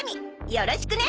よろしくね！